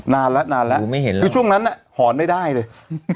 นานแล้วนานแล้วไม่เห็นแล้วคือช่วงนั้นอ่ะหอญไม่ได้เลย